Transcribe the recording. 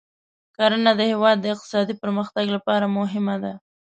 کرنه د هېواد د اقتصادي پرمختګ لپاره مهمه ده.